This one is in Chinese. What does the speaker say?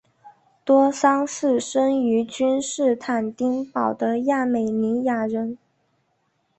多桑是生于君士坦丁堡的亚美尼亚人。